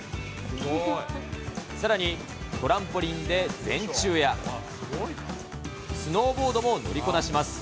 さらにトランポリンで前宙や、スノーボードも乗りこなします。